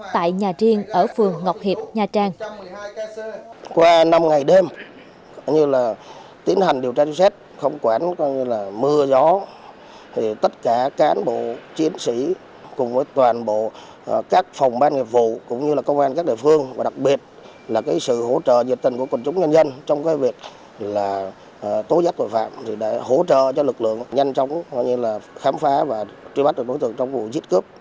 tại nhà riêng ở phường ngọc hiệp nha trang